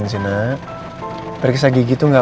santel disitu ya